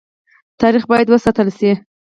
تاریخ باید وساتل شي